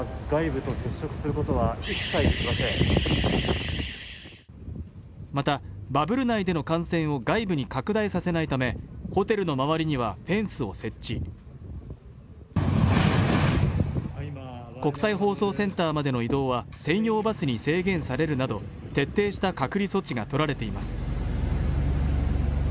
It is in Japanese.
我々は外部と接触することはできませんまたバブル内での感染を外部に拡大させないためホテルの周りにはフェンスを設置国際放送センターまでの移動は専用バスに制限されるなど徹底した隔離措置が取られています